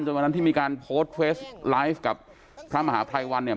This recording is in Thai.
จนพอนั้นที่มีการโพสต์เฟสไลฟ์กับพระมหาภายวัน